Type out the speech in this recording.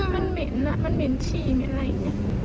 มันเหม็นมันเหม็นฉี่เหม็นอะไรอย่างนี้